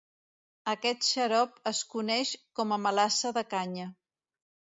Aquest xarop es coneix com a melassa de canya.